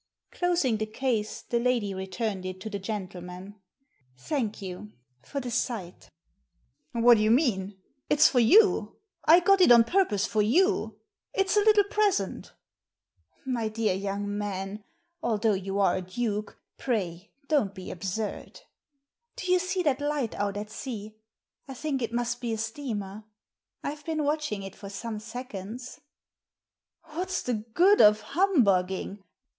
Closing the case, the lady returned it to the gentleman. "Thank you— for the sight" Digitized by VjOOQIC THE DUKE 311 " What do you mean ? It's for you ; I got it on purpose for you — it's a little present" " My dear young man — although you are a duke — pray don't be absurd. Do you see that light out at sea? I think it must be a steamer. I've been watching it for some seconds." "What's the good of humbugging?